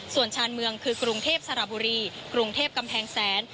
ส่วนชานเมืองคือกรุงเทพสระบุรีกรุงเทพกำแพงแสน